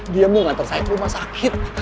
dia mau ngantar saya ke rumah sakit